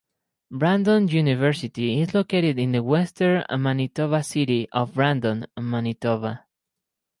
Brandon University is located in the Western-Manitoba city of Brandon, Manitoba.